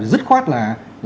thì dứt khoát là